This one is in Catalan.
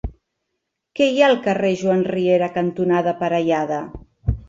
Què hi ha al carrer Joan Riera cantonada Parellada?